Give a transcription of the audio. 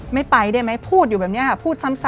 ไม่ไปได้ไหมพูดอยู่แบบนี้ค่ะพูดซ้ำ